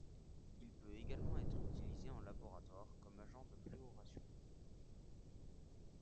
Il peut également être utilisé en laboratoire comme agent de fluoration.